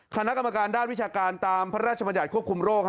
คณะกรรมการด้านวิชาการตามพระราชบัญญัติควบคุมโรค